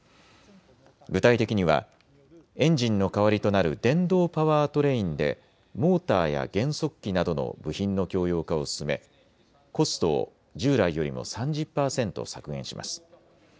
具体的にはエンジンの代わりとなる電動パワートレインでモーターや減速機などの部品の共用化を進めコストを従来よりも３０％削減します。